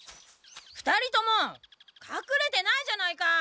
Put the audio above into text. ２人ともかくれてないじゃないか！